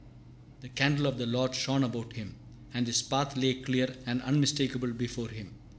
"The candle of the Lord shone about him," and his path lay clear and unmistakable before him.